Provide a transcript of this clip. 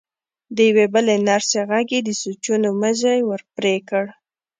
د يوې بلې نرسې غږ يې د سوچونو مزی ور پرې کړ.